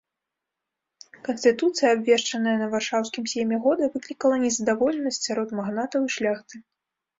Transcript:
Канстытуцыя, абвешчаная на варшаўскім сейме года, выклікала незадаволенасць сярод магнатаў і шляхты.